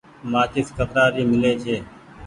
مآچيس ڪترآ ري ميلي ڇي۔